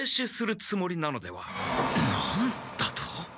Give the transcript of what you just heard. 何だと？